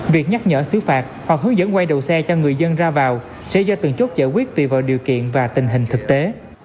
việc nhắc nhở xứ phạt hoặc hướng dẫn quay đầu xe cho người dân ra vào sẽ do từng chốt giải quyết tùy vào điều kiện và tình hình thực tế